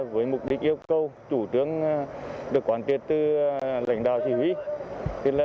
với mục đích yêu cầu chủ tướng được quản tiện từ lãnh đạo chỉ huy